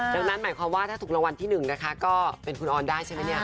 ดังนั้นหมายความว่าถ้าถูกรางวัลที่๑นะคะก็เป็นคุณออนได้ใช่ไหมเนี่ย